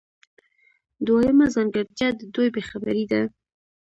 دویمه ځانګړتیا د دوی بې خبري ده.